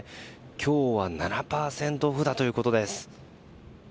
今日は７％オフだということです。